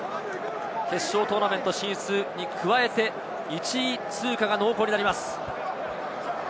決勝トーナメント進出に加えて１位通過が濃厚になります。